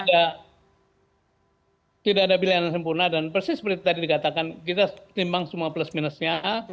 jadi tidak ada pilihan yang sempurna dan persis seperti tadi dikatakan kita timbang semua plus minusnya